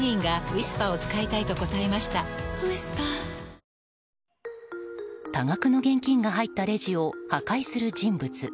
味の素の「コンソメ」多額の現金が入ったレジを破壊する人物。